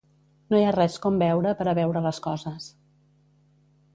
No hi ha res com beure per a veure les coses.